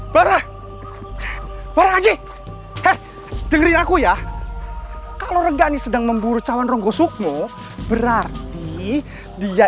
barah barah ajit dengerin aku ya kalau rengganis sedang memburu cawan rogo sukmo berarti dia